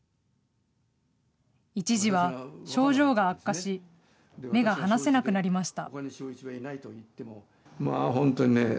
一時は症状が悪化し、目が離せなくなりました。